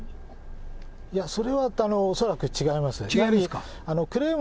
いや、それは恐らく違いますね。